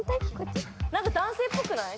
何か男性っぽくない？